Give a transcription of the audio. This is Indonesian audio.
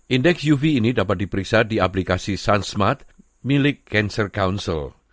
indeks uv ini dapat diperiksa di aplikasi sunsmart milik cancer council